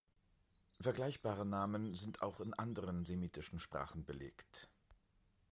Vergleichbare Namen sind auch in anderen semitischen Sprachen belegt.